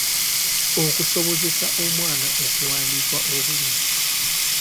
Okusobozesa omwana okuwandiika obulungi.